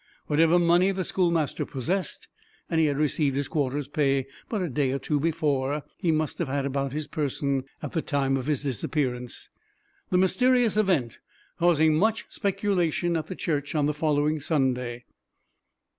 Whatever money the schoolmaster possessed, and he had received his quarter's pay but a day or two before, he must have had about his person at the time of his disappearance. The mysterious event caused much speculation at the church on the following Sunday.